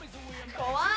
怖い！